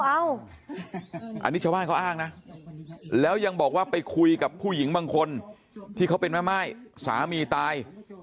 อันนี้ชาวบ้านเขาอ้างนะแล้วยังบอกว่าไปคุยกับผู้หญิงบางคนที่เขาเป็นแม่ม่ายสามีตาย